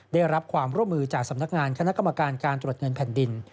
ได้รับความร่วมมือจากสำนักงานคณะกรรมการการตรวจเงินแผ่นดิน